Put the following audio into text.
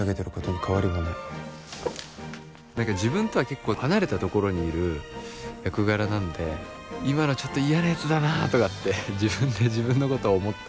何か自分とは結構離れたところにいる役柄なんで今のちょっと嫌なやつだなとかって自分で自分のことを思ったり。